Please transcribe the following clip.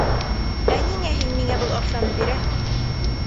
Ә ниңә һин миңә был аҡсаны бирәһең?